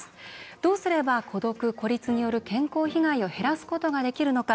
どうすれば孤独・孤立による健康被害を減らすことができるのか。